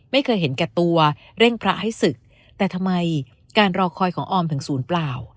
ไม่เคยเห็นแก่ตัวเร่งพระให้ศึกแต่ทำไมการรอคอยของออมถึงศูนย์เปล่า